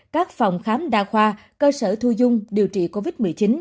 các phòng khám đa khoa cơ sở thu dung điều trị covid một mươi chín